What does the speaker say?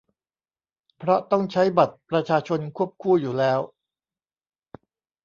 เพราะต้องใช้บัตรประชาชนควบคู่อยู่แล้ว